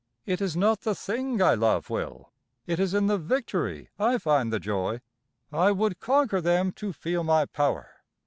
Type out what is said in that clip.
It is not the thing I love, Will it is in the victory I find the joy. I would conquer them to feel my power.